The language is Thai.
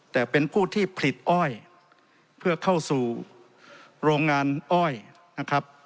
แต่เป็นผู้ที่ผลิตอ้อยเพื่อเข้าสู่โรงงานอ้อยนะครับ